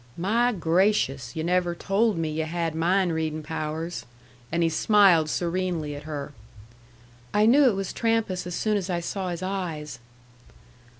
"My gracious! Yu' never told me yu' had mind reading powers." And he smiled serenely at her. "I knew it was Trampas as soon as I saw his eyes."